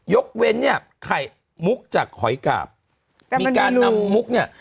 ยกเว้นเนี่ยไข่มุกจากหอยกาบมีการนำมุกเนี่ย